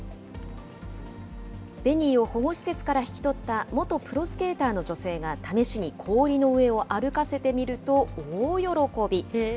ベニーを保護施設から引き取った元プロスケーターの女性が試しに氷の上を歩かせてみると大喜び。